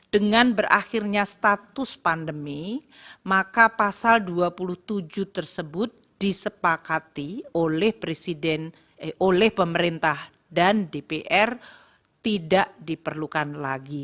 dengan berakhirnya status pandemi maka pasal dua puluh tujuh tersebut disepakati oleh presiden oleh pemerintah dan dpr tidak diperlukan lagi